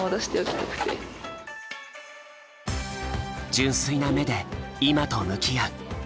純粋な目で今と向き合う。